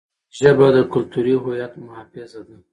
ژبه د کلتوري هویت محافظه ده.